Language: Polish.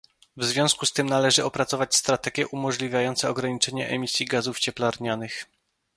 W związku z tym należy opracować strategie umożliwiające ograniczenie emisji gazów cieplarnianych